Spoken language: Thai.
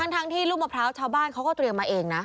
ทั้งที่ลูกมะพร้าวชาวบ้านเขาก็เตรียมมาเองนะ